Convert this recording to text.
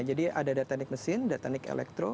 jadi ada dari teknik mesin dari teknik elektro